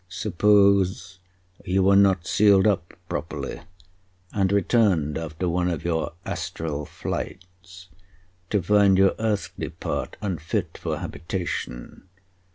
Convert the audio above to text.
"Suppose you were not sealed up properly, and returned after one of your astral flights to find your earthly part unfit for habitation?